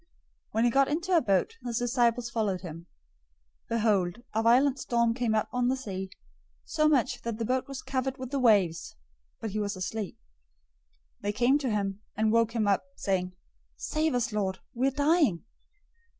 008:023 When he got into a boat, his disciples followed him. 008:024 Behold, a violent storm came up on the sea, so much that the boat was covered with the waves, but he was asleep. 008:025 They came to him, and woke him up, saying, "Save us, Lord! We are dying!"